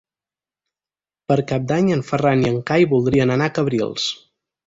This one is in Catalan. Per Cap d'Any en Ferran i en Cai voldrien anar a Cabrils.